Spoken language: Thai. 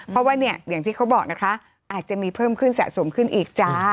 เพราะว่าเนี่ยอย่างที่เขาบอกนะคะอาจจะมีเพิ่มขึ้นสะสมขึ้นอีกจ้า